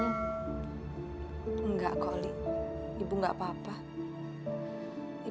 ibu pasti sedih ya soal keputusan ibu untuk gak ketemu sama papa dalam beberapa waktu ini